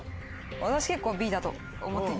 私結構Ｂだと思っている。